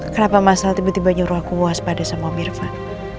kenapa masal tiba tiba nyuruh aku waspada sama om irfan